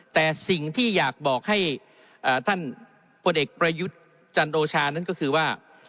แต่สิ่งที่อยากบอกให้ท่านพลเอกประยุทธ์จันโอชานั้นก็คือว่า